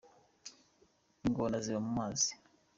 Ingona ziba mu mazi.